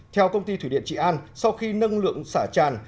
theo công ty thủy điện trị an sau khi nâng lượng xả tràn